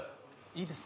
いいです